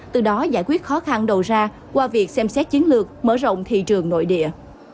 từ đó giải quyết khó khăn đầu ra qua việc xem xét chiến lược mở rộng thị trường nội địa